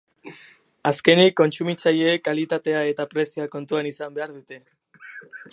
Azkenik, kontsumitzaileek kalitatea eta prezioa kontuan izan behar dute.